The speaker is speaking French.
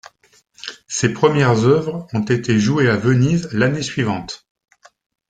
Ses premières œuvres ont été jouées à Venise l’année suivante.